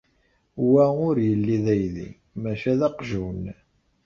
Wa ur yelli d aydi, maca d aqjun.